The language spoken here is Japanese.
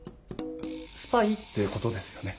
スパイってことですよね？